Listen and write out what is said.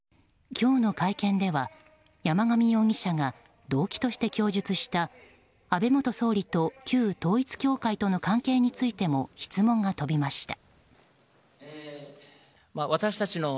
今日の会見では、山上容疑者が動機として供述した安倍元総理と旧統一教会との関係についても質問が飛びました。